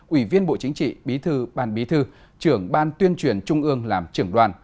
ủy viên bộ chính trị bí thư ban bí thư trưởng ban tuyên truyền trung ương làm trưởng đoàn